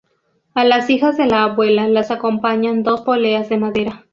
A las hijas de la abuela las acompañan dos poleas de madera.